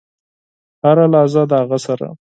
هره لحظه د هغه سره .